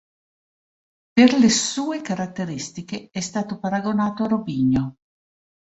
Per le sue caratteristiche è stato paragonato a Robinho.